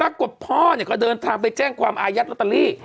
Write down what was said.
ปรากฏพ่อเนี่ยก็เดินทางไปแจ้งความอายัดลอตเตอรี่